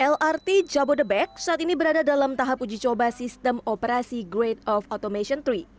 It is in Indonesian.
lrt jabodebek saat ini berada dalam tahap uji coba sistem operasi grade of automation tiga